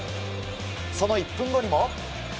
その１分後にも。